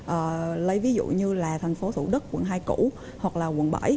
và lấy ví dụ như là thành phố thủ đức quận hai cũ hoặc là quận bảy